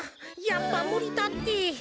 やっぱむりだって。